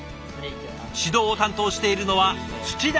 指導を担当しているのは田暁彦さん。